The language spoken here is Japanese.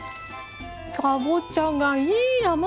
かぼちゃがいい甘さ。